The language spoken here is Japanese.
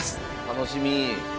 楽しみ。